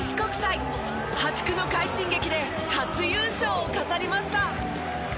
破竹の快進撃で初優勝を飾りました。